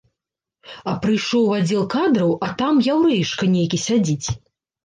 А прыйшоў у аддзел кадраў, а там яўрэішка нейкі сядзіць!